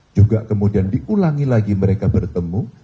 juga kemudian diulangi lagi mereka bertemu